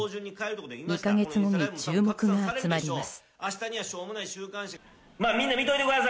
２か月後に注目が集まります。